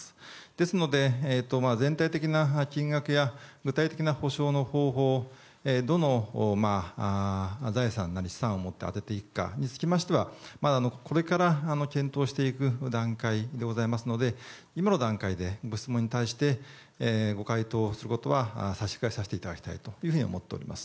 ですので、全体的な金額や具体的な補償の方法どの財産なり資産をもって充てていくかにつきましてはまだこれから検討していく段階でございますので今の段階で、ご質問に対してご回答することは差し控えさせていただきたいと思っております。